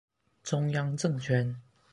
中央政權